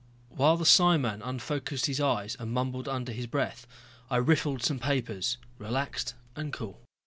While the psiman unfocused his eyes and mumbled under his breath I riffled some papers, relaxed and cool.